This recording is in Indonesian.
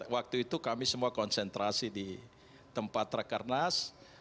waktu itu kami semua konsentrasi di tempat rekar nas